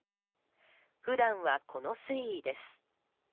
普段は、この水位です。